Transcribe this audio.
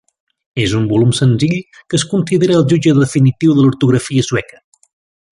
És un volum senzill que es considera el jutge definitiu de l'ortografia sueca.